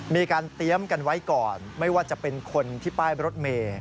มีการเตรียมกันไว้ก่อนไม่ว่าจะเป็นคนที่ป้ายรถเมย์